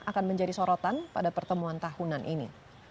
akan menjadi sorotan pada pertemuan tahunan ini